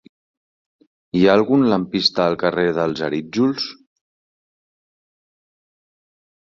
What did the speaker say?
Hi ha algun lampista al carrer dels Arítjols?